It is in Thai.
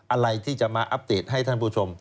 อะไรที่จะมาอัปเดตให้ท่านผู้ชม